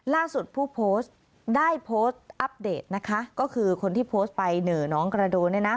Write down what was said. ล่าสุดผู้โพสต์ได้โพสต์อัปเดตนะคะก็คือคนที่โพสต์ไปเหน่อน้องกระโดนเนี่ยนะ